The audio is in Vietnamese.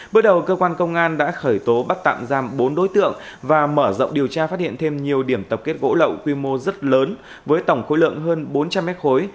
bước đầu cơ quan công an đã khởi tố bắt tạm giam bốn đối tượng và mở rộng điều tra phát hiện thêm nhiều điểm tập kết gỗ lậu quy mô rất lớn với tổng khối lượng hơn bốn trăm linh mét khối